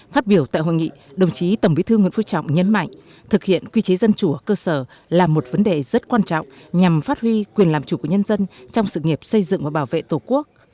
phát biểu tại hội nghị đồng chí tổng bí thư nguyễn phú trọng nhấn mạnh thực hiện quy chế dân chủ ở cơ sở là một vấn đề rất quan trọng nhằm phát huy quyền làm chủ của nhân dân trong sự nghiệp xây dựng và bảo vệ tổ quốc